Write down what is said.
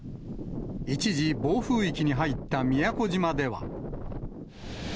一時、暴風域に入った宮古島では。